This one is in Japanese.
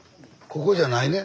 ここじゃないね。